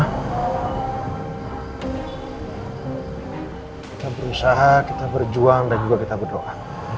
kita berusaha kita berjuang dan juga kita berdoa